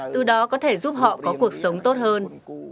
từ đó có thể giúp họ có cuộc sống tốt hơn